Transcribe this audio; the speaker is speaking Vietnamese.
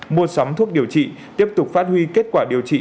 mua sắm thuốc điều trị tiếp tục phát huy kết quả điều trị